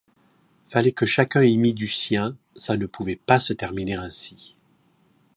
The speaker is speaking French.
Fallait que chacun y mît du sien, ça ne pouvait pas se terminer ainsi.